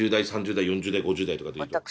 ２０代３０代４０代５０代とかでいうと。